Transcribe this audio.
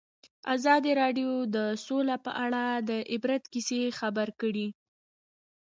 ازادي راډیو د سوله په اړه د عبرت کیسې خبر کړي.